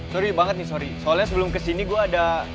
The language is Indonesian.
sorry banget nih sorry soalnya sebelum kesini gue ada